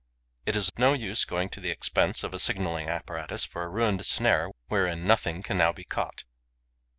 It is no use going to the expense of a signalling apparatus for a ruined snare wherein nothing can now be caught.